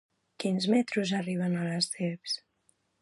Quins metros arriben a Lesseps?